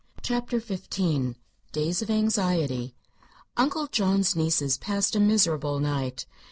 CHAPTER XV DAYS OF ANXIETY Uncle John's nieces passed a miserable night.